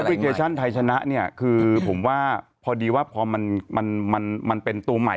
พลิเคชันไทยชนะเนี่ยคือผมว่าพอดีว่าพอมันเป็นตัวใหม่